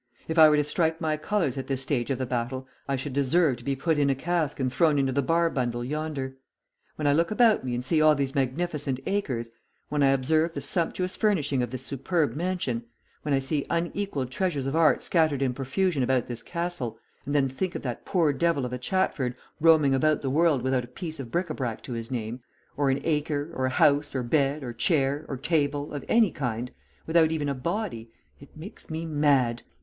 "If I were to strike my colours at this stage of the battle, I should deserve to be put in a cask and thrown into the Barbundle yonder. When I look about me and see all these magnificent acres, when I observe the sumptuous furnishing of this superb mansion, when I see unequalled treasures of art scattered in profusion about this castle, and then think of that poor devil of a Chatford roaming about the world without a piece of bric a brac to his name, or an acre, or a house, or bed, or chair, or table, of any kind, without even a body, it makes me mad.